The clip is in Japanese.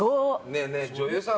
ねえねえ、女優さん